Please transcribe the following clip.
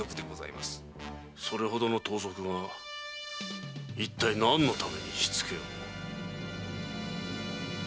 それほどの盗賊がいったい何のために火付けを？